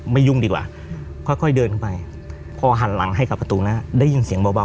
ยุ่งดีกว่าค่อยเดินไปพอหันหลังให้กับประตูนั้นได้ยินเสียงเบา